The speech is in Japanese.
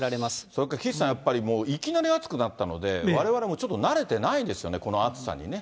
それから岸さん、やっぱりいきなり暑くなったので、われわれもちょっと慣れてないですよね、この暑さにね。